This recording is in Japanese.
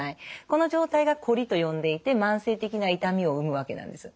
この状態がこりと呼んでいて慢性的な痛みを生むわけなんです。